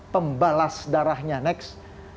pembalas darahnya next